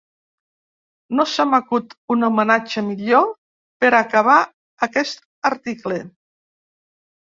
No se m’acut un homenatge millor per acabar aquest article.